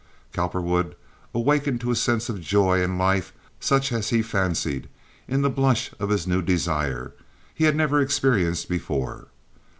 Cowperwood awakened to a sense of joy in life such as he fancied, in the blush of this new desire, he had never experienced before.